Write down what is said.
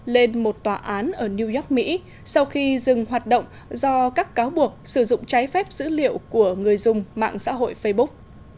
lên một tòa án ở new york mỹ sau khi dừng hoạt động do các cáo buộc sử dụng trái phép dữ liệu của người dùng mạng xã hội facebook